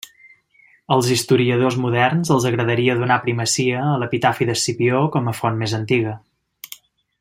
Als historiadors moderns els agradaria donar primacia a l'epitafi d'Escipió com a font més antiga.